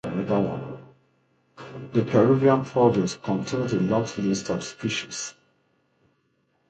The Peruvian province contains a long list of species.